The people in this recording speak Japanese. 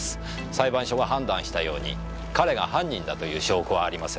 裁判所が判断したように彼が犯人だという証拠はありません。